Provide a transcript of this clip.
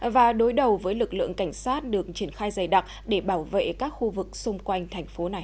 và đối đầu với lực lượng cảnh sát được triển khai dày đặc để bảo vệ các khu vực xung quanh thành phố này